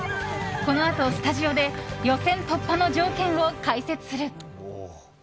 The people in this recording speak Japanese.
このあと、スタジオで予選突破の条件を解説する。